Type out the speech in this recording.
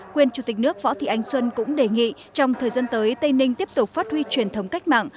quyền chủ tịch nước võ thị ánh xuân cũng đề nghị trong thời gian tới tây ninh tiếp tục phát huy truyền thống cách mạng